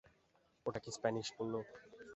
ওটা কি স্প্যানিশ বললো?